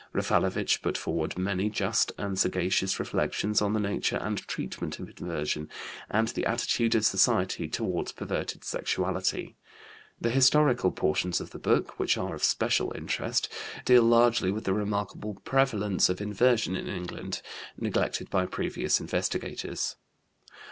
Raffalovich put forward many just and sagacious reflections on the nature and treatment of inversion, and the attitude of society toward perverted sexuality. The historical portions of the book, which are of special interest, deal largely with the remarkable prevalence of inversion in England, neglected by previous investigators.